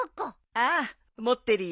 ああ持ってるよ。